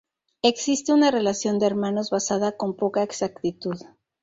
Existe una relación de hermanos basada con poca exactitud.